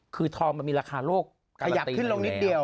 คือทองมันมีราคาโลกกราติหนึ่งแล้ว